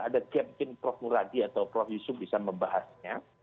ada gap yang prof muradi atau prof yusuf bisa membahasnya